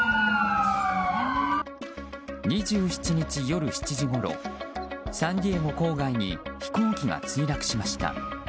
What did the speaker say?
２７日夜７時ごろサンディエゴ郊外に飛行機が墜落しました。